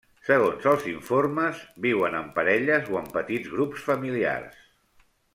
Segons els informes, viuen en parelles o en petits grups familiars.